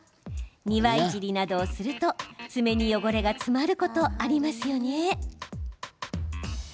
庭いじりなどをすると爪に汚れが詰まることありますよね。